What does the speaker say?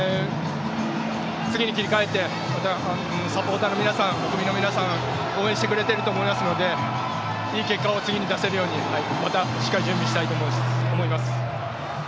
次に切り替えてまたサポーターの皆さん国民の皆さん応援してくれていると思いますのでいい結果を次に出せるようにまたしっかり準備したいと思います。